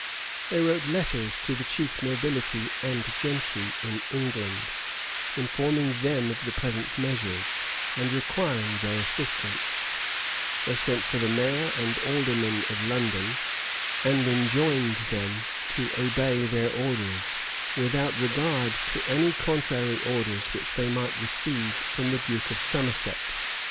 They wrote letters to the chief nobility and gentry in England, informing them of the present measures, and requiring their assistance: they sent for the mayor and aldermen of London, and enjoined them to obey their orders, without regard to any contrary orders which they might receive from the duke of Somerset.